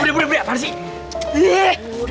budi budi budi apaan sih